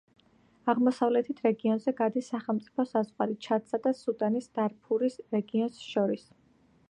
აღმოსავლეთით რეგიონზე გადის სახელმწიფო საზღვარი ჩადსა და სუდანის დარფურის რეგიონს შორის.